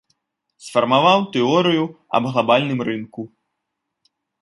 Сфармаваў тэорыю аб глабальным рынку.